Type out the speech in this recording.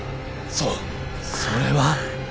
そうそれは。